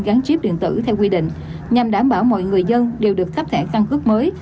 gán chip điện tử theo quy định nhằm đảm bảo mọi người dân đều được khắp thẻ căn cứ mới